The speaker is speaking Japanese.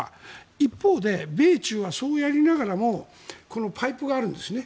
一方で、米中はそうやりながらもパイプがあるんですね。